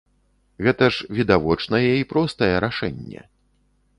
Гэта ж відавочнае і простае рашэнне.